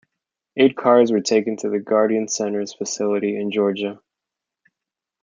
Eight cars were taken to the Guardian Centers facility in Georgia.